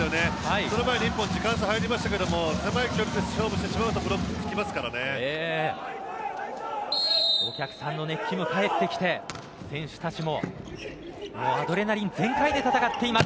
その場合一歩、時間差が入りますが狭い距離で勝負してしまうそうするとお客さんも熱気も返ってきて選手たちもアドレナリン全開で戦っています。